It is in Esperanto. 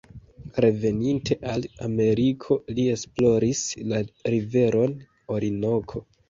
Reveninte al Ameriko li esploris la riveron Orinoko.